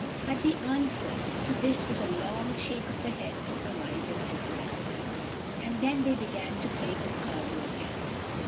"But the answer to this was a long shake of the head from the wiser elder sister. And then they began to play with Carlo again.